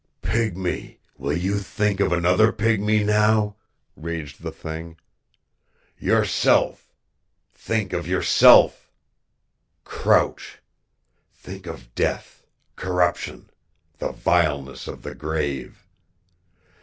"Pygmy, will you think of another pygmy now?" raged the Thing. "Yourself! Think of yourself! Crouch! Think of death, corruption, the vileness of the grave.